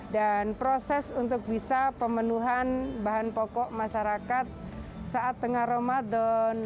dan proses untuk bisa pemenuhan bahan pokok masyarakat saat tengah ramadan